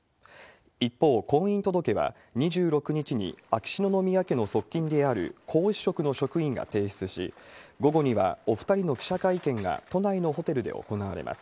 一方、婚姻届は２６日に秋篠宮家の側近である皇嗣職の職員が提出し、午後にはお２人の記者会見が都内のホテルで行われます。